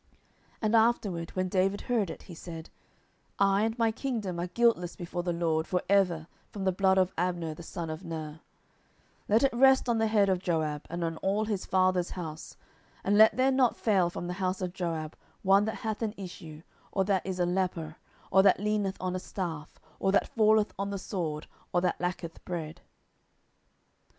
10:003:028 And afterward when David heard it, he said, I and my kingdom are guiltless before the LORD for ever from the blood of Abner the son of Ner: 10:003:029 Let it rest on the head of Joab, and on all his father's house; and let there not fail from the house of Joab one that hath an issue, or that is a leper, or that leaneth on a staff, or that falleth on the sword, or that lacketh bread.